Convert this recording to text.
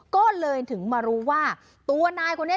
ก็เลยถึงมารู้ว่าตัวนายคนนี้